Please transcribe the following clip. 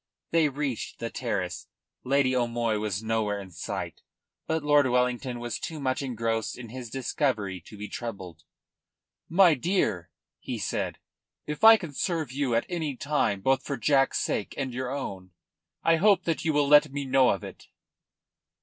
They reached the terrace. Lady O'Moy was nowhere in sight. But Lord Wellington was too much engrossed in his discovery to be troubled. "My dear," he said, "if I can serve you at any time, both for Jack's sake and your own, I hope that you will let me know of it."